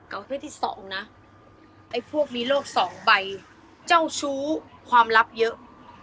เอาเรื่องที่สองนะไอ้พวกมีโรคสองใบเจ้าชู้ความลับเยอะ